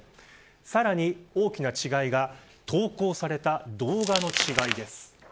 さらに、大きな違いが投稿された動画の違いです。